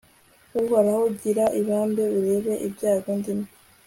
uhoraho, gira ibambe, urebe ibyago ndimo